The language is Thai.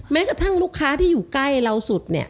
แม้กระทั่งลูกค้าที่อยู่ใกล้เราสุดเนี่ย